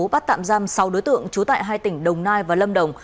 bắt tạm giam sáu đối tượng trú tại hai tỉnh đồng nai và lâm đồng